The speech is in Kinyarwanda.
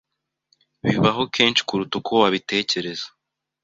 Bibaho kenshi kuruta uko wabitekereza.